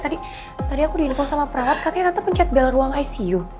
tata tadi aku dihubung sama perawat katanya tata pencet bel ruang icu